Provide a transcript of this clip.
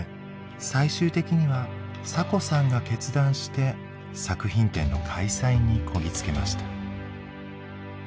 最終的にはサコさんが決断して作品展の開催にこぎ着けました。